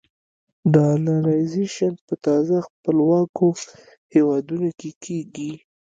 ډالرایزیشن په تازه خپلواکو هېوادونو کې کېږي.